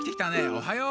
おはよう。